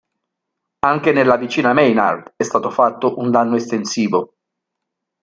Anche nella vicina Maynard è stato fatto un danno estensivo.